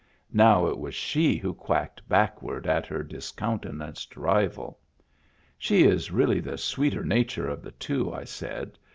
Now it was she who quacked backward at her discountenanced rival. " She is really the sweeter nature of the two," I said.